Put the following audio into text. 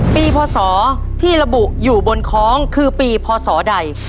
พศที่ระบุอยู่บนคล้องคือปีพศใด